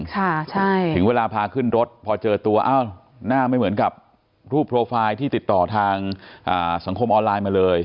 ใช่ถึงเวลาพาขึ้นรถพอเจอตัวอ้าวหน้าไม่เหมือนกับรูปโปรไฟล์ที่ติดต่อทางสังคมออนไลน์มาเลย